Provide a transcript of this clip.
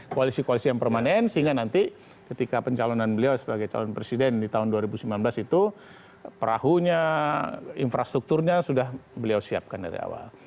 koalisi koalisi yang permanen sehingga nanti ketika pencalonan beliau sebagai calon presiden di tahun dua ribu sembilan belas itu perahunya infrastrukturnya sudah beliau siapkan dari awal